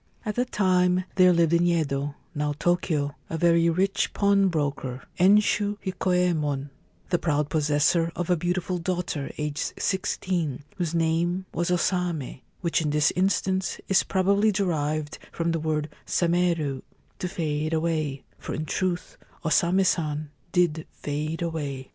At that time there lived in Yedo, now Tokio, a very rich pawnbroker, Enshu Hikoyemon, the proud possessor of a beautiful daughter aged sixteen, whose name was O Same, which in this instance is probably derived from the word ' sameru ' (to fade away), for in truth O Same San did fade away.